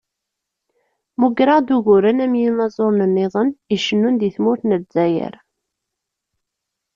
Mmugreɣ-d uguren am yinaẓuren-nniḍen, icennun deg tmurt n Lezzayer.